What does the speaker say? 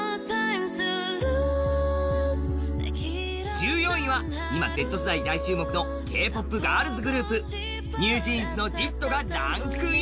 １４位は今Ｚ世代大注目のＫ−ＰＯＰガールズグループＮｅｗＪｅａｎｓの「Ｄｉｔｔｏ」がランクイン。